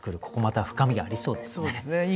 ここまた深みがありそうですね。